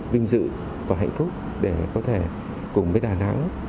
vinh dự và hạnh phúc để có thể cùng với đà nẵng